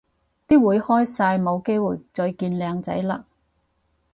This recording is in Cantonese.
啲會開晒冇機會再見靚仔嘞